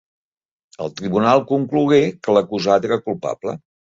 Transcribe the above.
El tribunal conclogué que l'acusat era culpable.